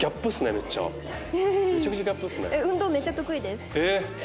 めっちゃ得意です。